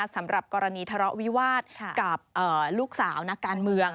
สำหรับกรณีทะเลาะวิวาสกับลูกสาวนักการเมือง